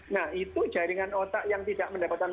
nah itu jaringan otak yang tidak mendapat makanan